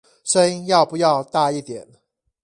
聲音要不要大一點